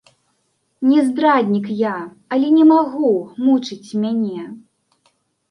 Не здраднік я, але не магу, мучыць мяне.